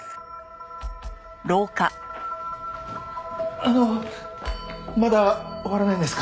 あのまだ終わらないんですか？